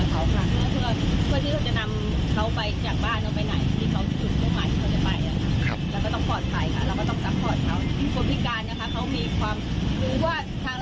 ขอบคุณนะคะเพราะว่าเราอยู่ร่วมสัมภาษณ์เดียวกัน